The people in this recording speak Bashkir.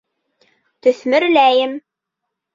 Төҫмөрләйем!